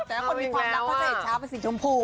แต่คนมีความรักเขาจะเห็นช้างเป็นสีชมพู